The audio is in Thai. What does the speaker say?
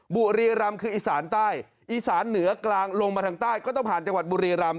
บุรีรำคืออีสานใต้อีสานเหนือกลางลงมาทางใต้ก็ต้องผ่านจังหวัดบุรีรำ